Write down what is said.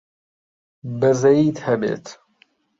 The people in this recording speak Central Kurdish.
بەزەییت هەبێت!